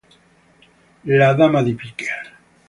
La dama di picche